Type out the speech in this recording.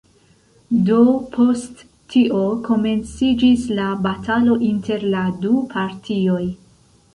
Do post tio komenciĝis la batalo inter la du partioj.